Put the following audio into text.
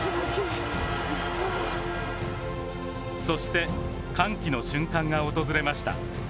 そして歓喜の瞬間が訪れました。